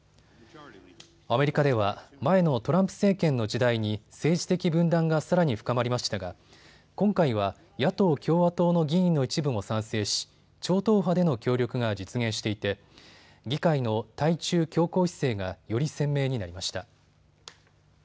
アメリカでは前のトランプ政権の時代に政治的分断がさらに深まりましたが今回は野党共和党の議員の一部も賛成し超党派での協力が実現していて議会の対中強硬姿勢がより鮮明になりました。